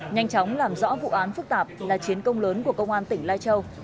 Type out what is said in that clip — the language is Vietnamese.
nhanh chóng làm rõ vụ án phức tạp là chiến công lớn của công an tỉnh lai châu